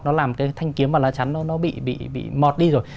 nó làm cái thanh kiếm và lá chắn nó bị mọt đi rồi